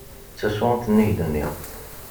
D tasɣunt-nni i k-d-nniɣ.